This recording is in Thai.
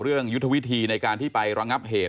เรื่องยุทธวิธีในการที่ไปรังงับ